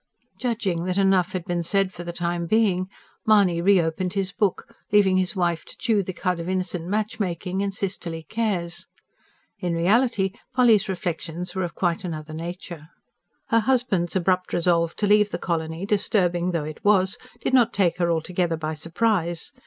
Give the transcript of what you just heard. Judging that enough had been said for the time being, Mahony re opened his book, leaving his wife to chew the cud of innocent matchmaking and sisterly cares. In reality Polly's reflections were of quite another nature. Her husband's abrupt resolve to leave the colony, disturbing though it was, did not take her altogether by surprise.